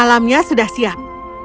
malamnya sudah siap